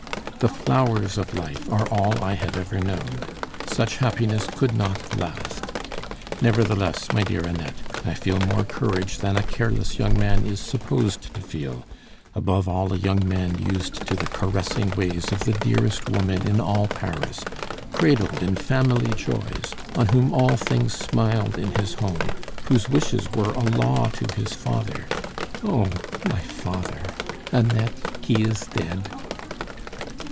The flowers of life are all I have ever known. Such happiness could not last. Nevertheless, my dear Annette, I feel more courage than a careless young man is supposed to feel, above all a young man used to the caressing ways of the dearest woman in all Paris, cradled in family joys, on whom all things smiled in his home, whose wishes were a law to his father oh, my father! Annette, he is dead!